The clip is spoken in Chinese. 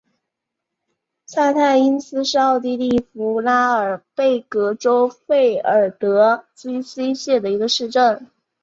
萨泰因斯是奥地利福拉尔贝格州费尔德基希县的一个市镇。